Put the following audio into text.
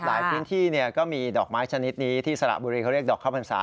ในพื้นที่ก็มีดอกไม้ชนิดนี้ที่สระบุรีเขาเรียกดอกข้าวพรรษา